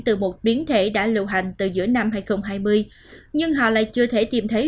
từ một biến thể đã lưu hành từ giữa năm hai nghìn hai mươi nhưng họ lại chưa thể tìm thấy